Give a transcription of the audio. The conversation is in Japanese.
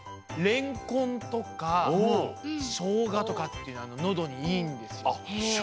れんこんとかしょうがとかっていうのはのどにいいんですよ。